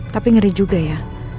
tapi ngeri juga ya